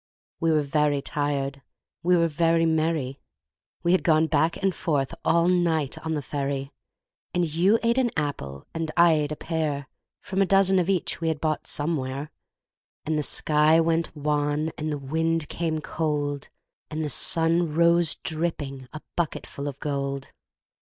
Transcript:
We were very tired, we were very merry We had gone back and forth all night on the ferry, And you ate an apple, and I ate a pear, From a dozen of each we had bought somewhere; And the sky went wan, and the wind came cold, And the sun rose dripping, a bucketful of gold.